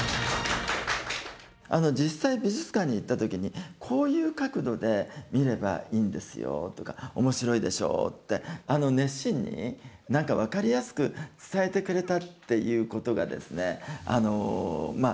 実際美術館に行った時にこういう角度で見ればいいんですよとかおもしろいでしょうってあの熱心に何か分かりやすく伝えてくれたっていうことがですねまあ